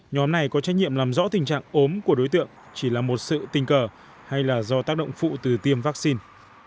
nhóm này có trách nhiệm làm rõ tình trạng ốm của đối tượng chỉ là một sự tình cờ hay là do tác động phụ từ tiêm vaccine